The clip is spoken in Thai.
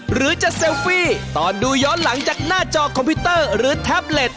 หรือจะเซลฟี่ตอนดูย้อนหลังจากหน้าจอคอมพิวเตอร์หรือแท็บเล็ต